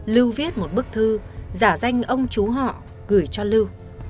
lưu viết một bức thư giả danh ông chú họ gửi cho lưu